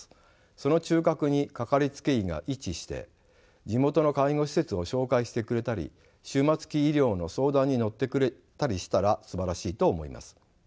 その中核にかかりつけ医が位置して地元の介護施設を紹介してくれたり終末期医療の相談に乗ってくれたりしたらすばらしいと思います。